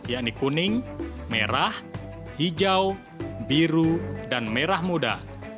yakni kuning merah hijau biru dan merah muda